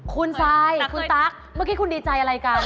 คุณซายคุณตั๊กเมื่อกี้คุณดีใจอะไรกัน